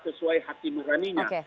sesuai hati meraninya